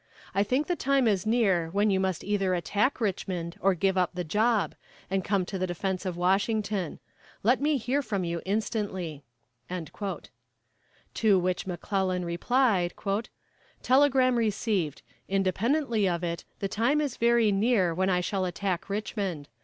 I think the time is near when you must either attack Richmond or give up the job, and come to the defense of Washington. Let me hear from you instantly." To which McClellan replied: "Telegram received. Independently of it, the time is very near when I shall attack Richmond.